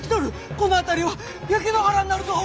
この辺りは焼け野原になるぞ！